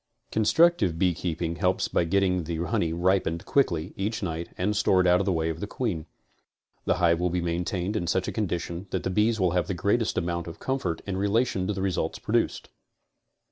Constructive beekeeping helps by getting the honey ripened auickly each night and stored out of the way of the queen. The hive will then be maintained in such a condition that the bees have the greatest amount of comfort in relation to the results produced.